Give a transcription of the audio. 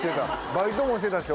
バイトもしてたし。